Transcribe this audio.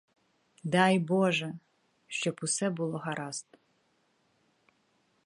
Дай боже, щоб усе було гаразд!